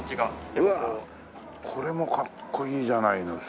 うわあこれもかっこいいじゃないの。